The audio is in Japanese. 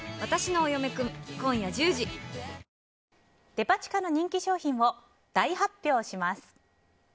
デパ地下の人気商品を大発表します。